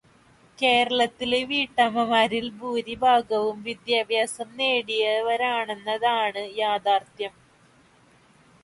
കേരളത്തിലെ വീട്ടമ്മമാരിൽ ഭൂരിഭാഗവും വിദ്യാഭ്യാസം നേടിയവരാണെന്നതാണ് യാഥാർഥ്യം.